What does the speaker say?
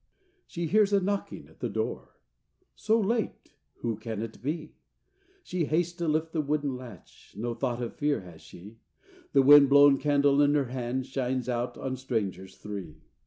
She hears a knocking at the door: So late who can it be? She hastes to lift the wooden latch, No thought of fear has she; The wind blown candle in her hand Shines out on strangers three.